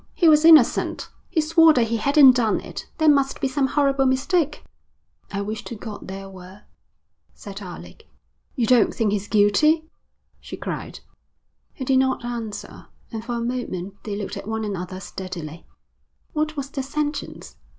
He was innocent. He swore that he hadn't done it. There must be some horrible mistake.' 'I wish to God there were,' said Alec. 'You don't think he's guilty?' she cried. He did not answer, and for a moment they looked at one another steadily. 'What was the sentence?'